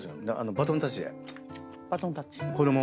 バトンタッチ？